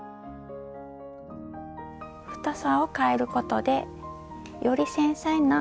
太さをかえることでより繊細な表情が描けますよ。